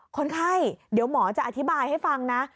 คนไข้เดี๋ยวหมอจะอธิบายให้ฟังนะ